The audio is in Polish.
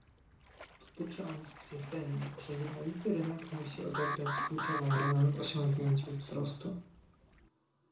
Dotyczy on stwierdzenia, że jednolity rynek musi odegrać kluczową rolę w osiągnięciu wzrostu